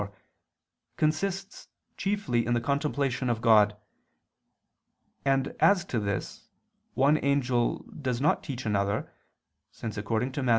4), consists chiefly in the contemplation of God, and as to this, one angel does not teach another, since according to Matt.